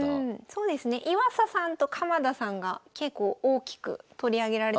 そうですね岩佐さんと鎌田さんが結構大きく取り上げられたかなと。